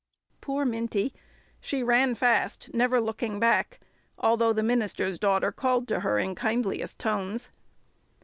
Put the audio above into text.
Poor Minty! She ran fast, never looking back, although the minister's daughter called to her in kindliest tones.